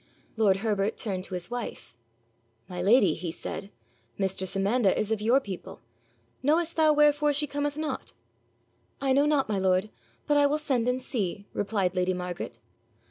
Lord Herbert turned to his wife. 'My lady,' he said, 'mistress Amanda is of your people: knowest thou wherefore she cometh not?' 'I know not, my lord, but I will send and see,' replied lady Margaret.